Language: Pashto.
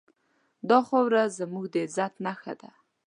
دا خاوره زموږ د عزت نښه ده.